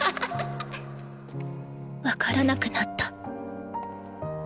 分からなくなった。